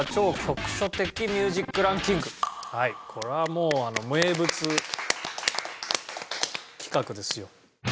これはもう名物企画ですよ。